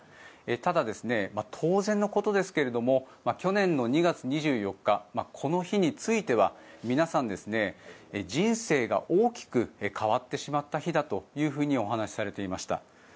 ただ、当然のことですが去年の２月２４日この日については皆さん人生が大きく変わってしまった日だとお話しされていました。